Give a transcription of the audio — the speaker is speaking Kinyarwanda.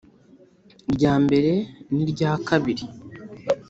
rya mbere, nirya kabiri